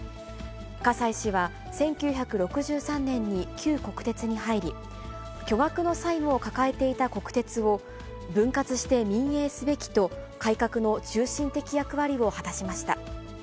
葛西氏は、１９６３年に旧国鉄に入り、巨額の債務を抱えていた国鉄を、分割して民営すべきと、改革の中心的役割を果たしました。